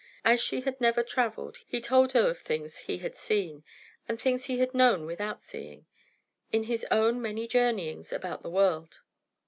As she had never travelled, he told her of things he had seen and things he had known without seeing in his own many journeyings about the world.